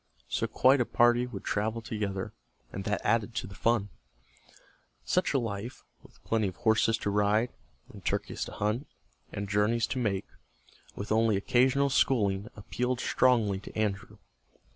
So quite a party would travel together, and that added to the fun. Such a life, with plenty of horses to ride, and turkeys to hunt, and journeys to make, with only occasional schooling, appealed strongly to Andrew.